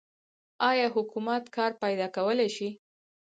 آیا حکومت کار پیدا کولی شي؟